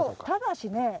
ただしね